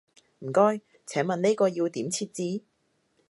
唔該，請問呢個要點設置？